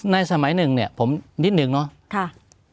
สมัยหนึ่งเนี่ยผมนิดนึงเนาะ